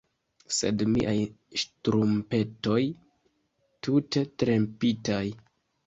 Sed miaj ŝtrumpetoj, tute trempitaj